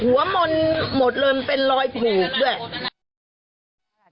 หัวมนต์หมดเลยมันเป็นรอยผูกด้วย